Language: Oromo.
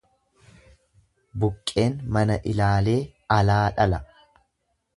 Buqqeen mana ilaalee alaa dhala.